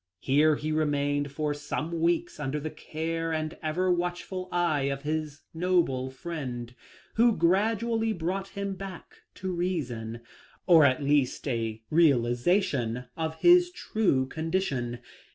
Here he remained for some weeks under the care and ever watchful eye of this noble friend, who gradually brought him back to reason, or at least a realization of his true condition.